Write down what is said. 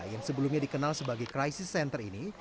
yang sebelumnya dikenal sebagai crisis center ini